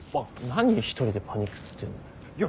何一人でパニクってんだよ。